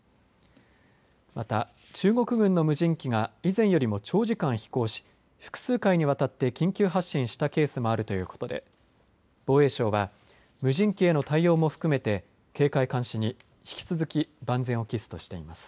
また中国軍の無人機が以前よりも長時間、飛行し複数回にわたって緊急発進したケースもあるということで防衛省は無人機への対応も含めて警戒・監視に引き続き万全を期すとしています。